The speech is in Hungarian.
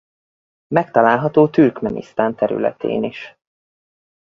Megtalálható Türkmenisztán területén is.